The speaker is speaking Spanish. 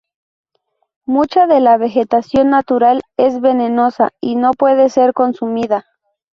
Mucha de la vegetación natural es venenosa y no puede ser consumida.